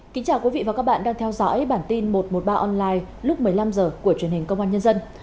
kính chào quý vị và các bạn đang theo dõi bản tin một trăm một mươi ba online lúc một mươi năm h của truyền hình công an nhân dân